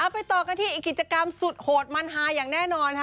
ไปต่อกันที่อีกกิจกรรมสุดโหดมันฮาอย่างแน่นอนค่ะ